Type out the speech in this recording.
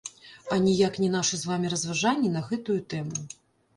А ніяк не нашы з вамі разважанні на гэтую тэму.